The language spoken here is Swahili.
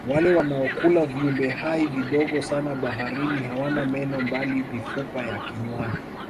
wale wanaokula viumbe hai vidogo sana baharini hawana meno bali mifupa ya kinywani